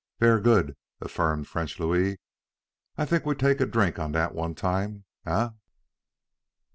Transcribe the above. "Ver' good," affirmed French Louis. "I t'ink we take a drink on dat one time, eh?"